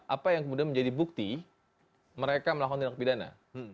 apa yang kemudian menjadi bukti mereka melakukan tindak pidana